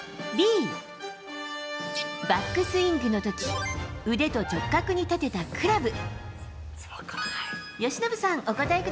Ｂ、バックスイングのとき、腕と直角に立てたクラブ。